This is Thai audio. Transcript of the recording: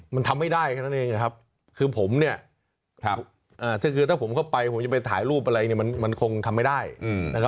มันทำไม่ได้แค่นั้นเองนะครับคือผมเนี่ยคือถ้าผมเข้าไปผมจะไปถ่ายรูปอะไรเนี่ยมันคงทำไม่ได้นะครับ